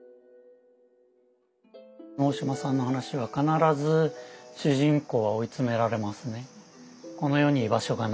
大島さんの話は必ず主人公は追い詰められますね。